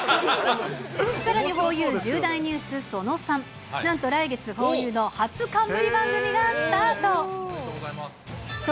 さらにふぉゆ重大ニュースその３、なんと来月、ふぉゆの初冠番組がスタート。